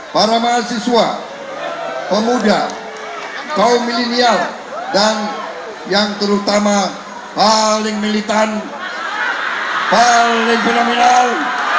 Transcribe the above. para mahasiswa pemuda kaum milenial dan yang terutama paling militan paling fenomenal